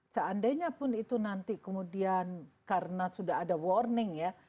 seandainya pun itu nanti kemudian karena sudah ada warning ya